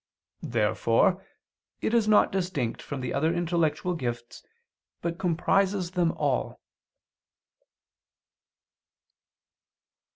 Therefore it is not distinct from the other intellectual gifts, but comprises them all.